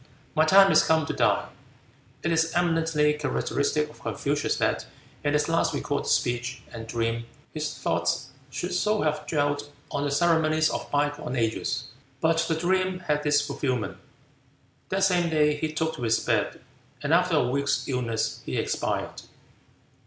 My time is come to die." It is eminently characteristic of Confucius that in his last recorded speech and dream, his thoughts should so have dwelt on the ceremonies of bygone ages. But the dream had its fulfilment. That same day he took to his bed, and after a week's illness he expired.